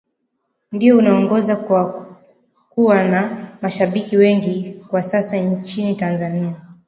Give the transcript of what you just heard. Ndiyo unaongoza kwa kuwa na mashabiki wengi kwa sasa nchini Tanzania